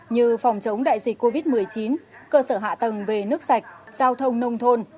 như phòng chống đại dịch covid một mươi chín cơ sở hạ tầng về nước sạch giao thông nông thôn